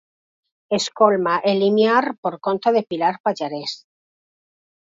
Escolma e limiar por conta de Pilar Pallarés.